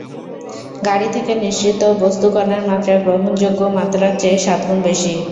গাড়ি থেকে নিঃসৃত বস্তুকণার মাত্রা গ্রহণযোগ্য মাত্রার চেয়ে সাত গুণ বেশি।